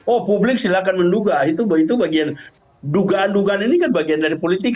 oh publik silahkan menduga itu bagian dugaan dugaan ini kan bagian dari politik